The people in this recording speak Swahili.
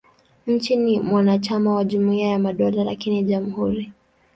Nchi ni mwanachama wa Jumuiya ya Madola, lakini ni jamhuri.